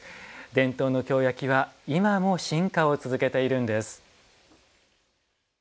伝統の京焼は今も進化を続けているんです。